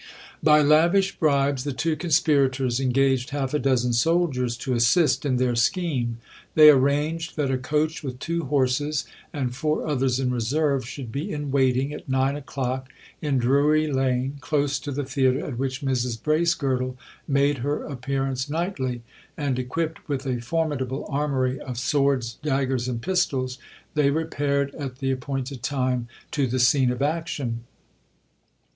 By lavish bribes the two conspirators engaged half a dozen soldiers to assist in their scheme; they arranged that a coach with two horses, and four others in reserve, should be in waiting at nine o'clock in Drury Lane, close to the theatre at which Mrs Bracegirdle made her appearance nightly; and, equipped with a formidable armoury of swords, daggers, and pistols, they repaired at the appointed time to the scene of action.